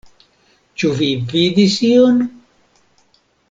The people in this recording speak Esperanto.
Ĉu vi vidis ion?